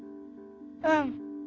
うん。